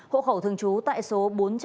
hộ khẩu thường trú tại số bốn trăm ba mươi ba